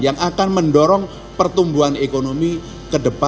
yang akan mendorong pertumbuhan ekonomi ke depan